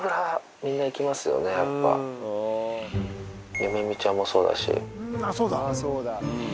ゆめみちゃんもそうだし。